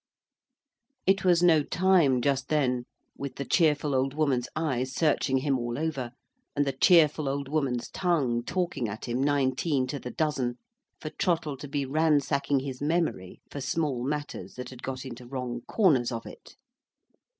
It was no time, just then—with the cheerful old woman's eye searching him all over, and the cheerful old woman's tongue talking at him, nineteen to the dozen—for Trottle to be ransacking his memory for small matters that had got into wrong corners of it.